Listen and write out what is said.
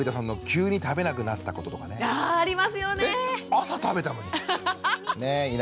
朝食べたのに。